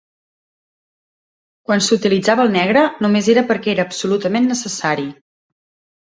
Quan s'utilitzava el negre, només era perquè era absolutament necessari.